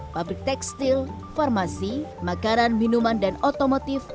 pabrik tekstil farmasi makanan minuman dan otomotif